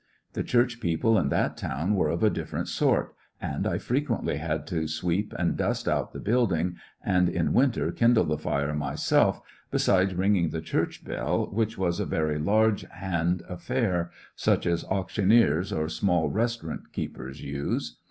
The church people in that town were of a different sort, and I frequently had to sweep and dust out the building, and in winter kindle the fire myself, besides ring ing the church bell, which was a very large hand affair, such as auctioneers or small res taurant keepers use.